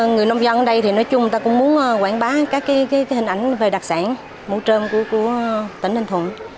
người nông dân ở đây nói chung cũng muốn quảng bá các hình ảnh về đặc sản mủ trôm của tỉnh hình thuận